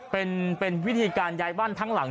เป็นวิธีการย้ายบ้านทั้งหลัง